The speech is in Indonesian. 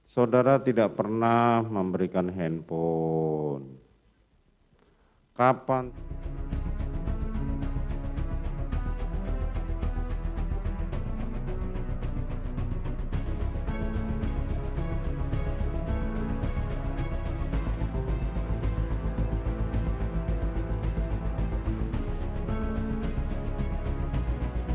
saudara tidak pernah memberikan handphone